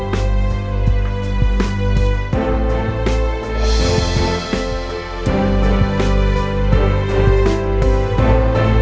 tidak ada cara untuk memperbaiki tempat berhasil untuk hal ini